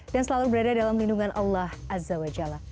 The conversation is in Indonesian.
selalu berada dalam lindungan allah azza wa jalla